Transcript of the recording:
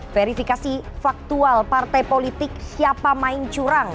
verifikasi faktual partai politik siapa main curang